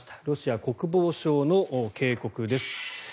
ロシア国防省の警告です。